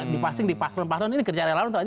di pasing di pasun pasun ini kerja relawan